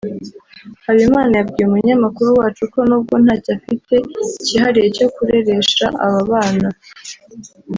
Habimana yabwiye Umunyamakuru wacu ko nubwo ntacyo afite kihariye cyo kureresha aba bana